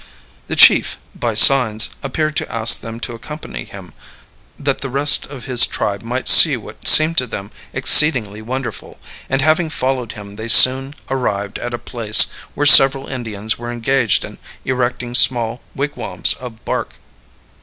The chief, by signs, appeared to ask them to accompany him, that the rest of his tribe might see what seemed to them exceedingly wonderful, and having followed him they soon arrived at a place where several Indians were engaged in erecting small wigwams of bark.